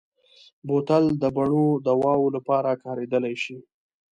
بوتل د بڼو دواوو لپاره کارېدلی شي.